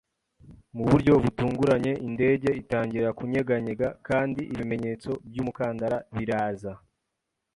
Mu buryo butunguranye, indege itangira kunyeganyega kandi ibimenyetso by'umukandara biraza.